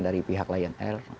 dari pihak lnr